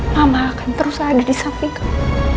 mama akan terus ada di samping kamu